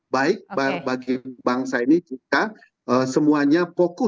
baik bagi bangsa ini kita oke